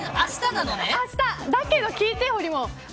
だけど、聞いてほりもん。